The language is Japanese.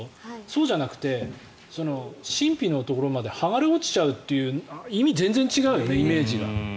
そうじゃなくて真皮のところまで剥がれ落ちちゃうという意味が全然違うよねイメージが。